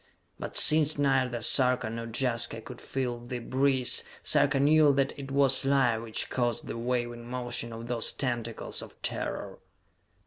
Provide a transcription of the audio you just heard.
But since neither Sarka nor Jaska could feel the breeze, Sarka knew that it was life which caused the waving motion of those tentacles of terror.